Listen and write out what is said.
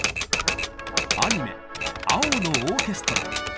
アニメ「青のオーケストラ」。